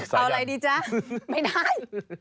เอาไว้ดีจ้าไม่ได้